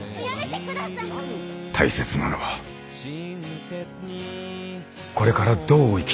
大切なのはこれからどう生きるかだ。